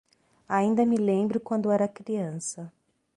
Ainda me lembro quando era criança.